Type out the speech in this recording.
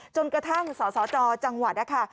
จนกระทั่งสสจจังหวัดนะคะ